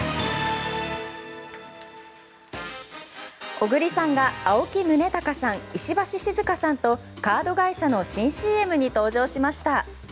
小栗さんが青木崇高さん石橋静河さんとカード会社の新ＣＭに登場しました。